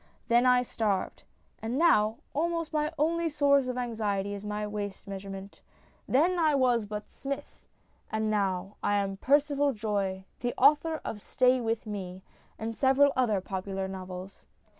Then I starved ; and now almost my only source of anxiety is my waist measurement. Then I was but Smith ; and now I am Percival Joye, the author of Stay With Me and several other popular novels.